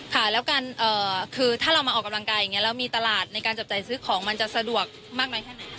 ค่ะแล้วการคือถ้าเรามาออกกำลังกายอย่างนี้แล้วมีตลาดในการจับจ่ายซื้อของมันจะสะดวกมากน้อยแค่ไหน